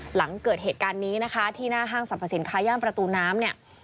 หลังเกิดเหตุการณ์นี้นะคะที่หน้าห้างสรรพสินค้าย่านประตูน้ำเนี่ย